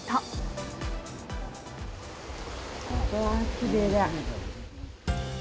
きれいだ。